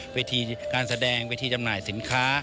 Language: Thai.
เวทีการแสดงเวทีจำหน่ายสินค้า